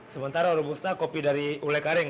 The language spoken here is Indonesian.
sementara robusta kopi dari ulekaring